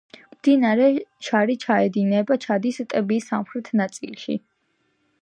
მდინარე შარი ჩაედინება ჩადის ტბის სამხრეთ ნაწილში.